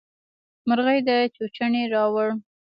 مرغۍ چوچوڼی راووړ.